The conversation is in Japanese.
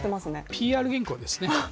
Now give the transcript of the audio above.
ＰＲ原稿ですね。